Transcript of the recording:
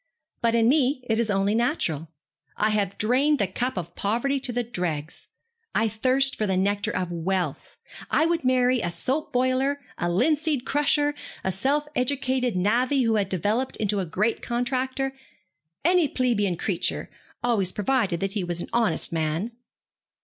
But in me it is only natural. I have drained the cup of poverty to the dregs. I thirst for the nectar of wealth. I would marry a soap boiler, a linseed crusher, a self educated navvy who had developed into a great contractor any plebian creature, always provided that he was an honest man.'